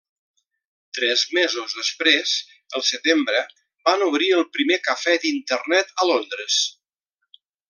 Tres mesos després, el setembre, van obrir el primer cafè d'Internet a Londres.